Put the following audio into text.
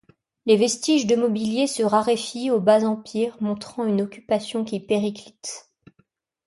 Les vestiges de mobilier se raréfient au bas-Empire montrant une occupation qui périclite.